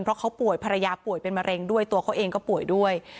เพราะเขาป่วยภรรยาป่วยเป็นมะเร็งด้วยตัวเขาเองก็ป่วยด้วย